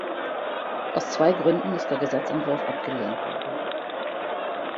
Aus zwei Gründen ist der Gesetzentwurf abgelehnt worden.